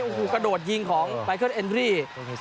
โอ้โหกระโดดยิงของไบเคิลเอ็นรี่